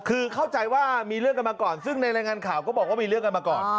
คือเข้าใจว่ามีเรื่องกันมาก่อนซึ่งในรายงานข่าวก็บอกว่ามีเรื่องกันมาก่อน